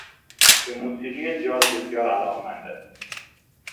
به موسیقی جاز بسیار علاقهمند است.